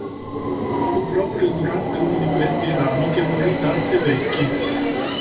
Fu proprio durante uno di questi esami che morì Dante Vecchi.